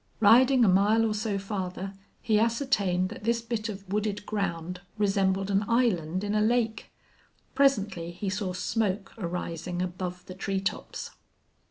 Riding a mile or so farther he ascertained that this bit of wooded ground resembled an island in a lake. Presently he saw smoke arising above the treetops.